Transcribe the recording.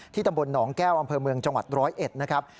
ตำบลหนองแก้วอำเภอเมืองจังหวัด๑๐๑นะครับ